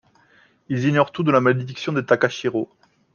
Ils ignorent tout de la malédiction des Takashiro.